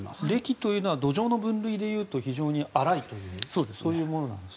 礫というのは土壌の分類でいうと非常に粗いものだと。